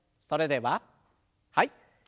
それでははい。